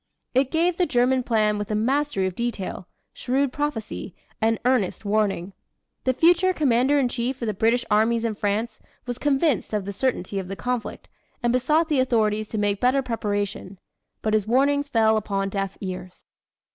It gave the German plan with a mastery of detail, shrewd prophecy, and earnest warning. The future commander in chief of the British armies in France was convinced of the certainty of the conflict and besought the authorities to make better preparation but his warnings fell upon deaf ears.